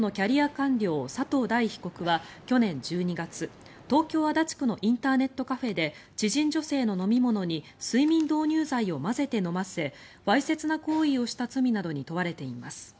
官僚佐藤大被告は去年１２月東京・足立区のインターネットカフェで知人女性の飲み物に睡眠導入剤を混ぜて飲ませわいせつな行為をした罪などに問われています。